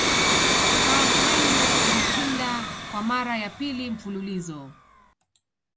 KarlHeine alishinda Kwa mara ya pili mfululizo